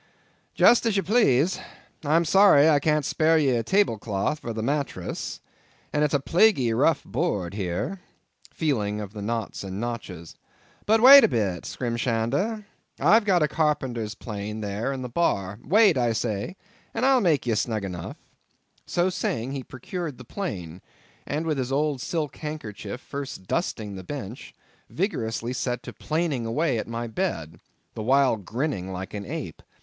"Just as you please; I'm sorry I can't spare ye a tablecloth for a mattress, and it's a plaguy rough board here"—feeling of the knots and notches. "But wait a bit, Skrimshander; I've got a carpenter's plane there in the bar—wait, I say, and I'll make ye snug enough." So saying he procured the plane; and with his old silk handkerchief first dusting the bench, vigorously set to planing away at my bed, the while grinning like an ape.